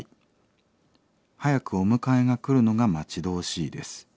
早くお迎えが来るのが待ち遠しいです。